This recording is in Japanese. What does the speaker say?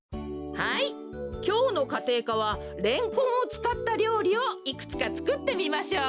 はいきょうのかていかはレンコンをつかったりょうりをいくつかつくってみましょう。